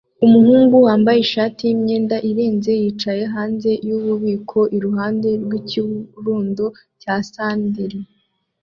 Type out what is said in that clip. Umuhungu wambaye ishati yimyenda irenze yicaye hanze yububiko iruhande rwikirundo cya sandali